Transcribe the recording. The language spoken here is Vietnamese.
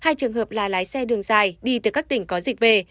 hai trường hợp là lái xe đường dài đi từ các tỉnh có dịch về